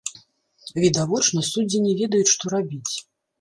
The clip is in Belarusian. Відавочна, судзі не ведаюць, што рабіць.